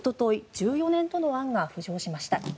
１４年との案が浮上しました。